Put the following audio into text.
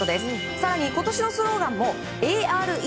更に、今年のスローガンもＡ・Ｒ・Ｅ